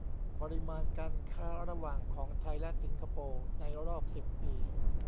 ปริมาณการค้าระหว่างของไทยและสิงคโปร์ ในรอบสิบปี